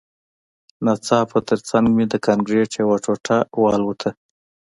ناڅاپه ترڅنګ مې د کانکریټ یوه ټوټه والوته